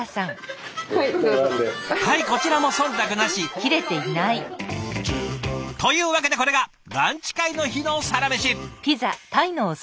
はいこちらもそんたくなし！というわけでこれがランチ会の日のサラメシ。